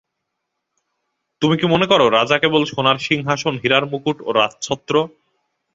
তুমি কি মনে কর রাজা কেবল সোনার সিংহাসন, হীরার মুকুট ও রাজছত্র?